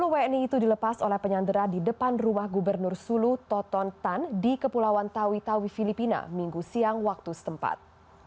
sepuluh wni itu dilepas oleh penyandera di depan rumah gubernur sulu toton tan di kepulauan tawi tawi filipina minggu siang waktu setempat